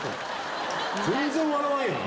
全然笑わんやん。